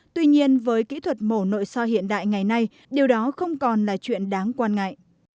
tuy nhiên với kỹ thuật mổ nội so hiện đại ngày nay điều đó không còn là chuyện đáng quan ngại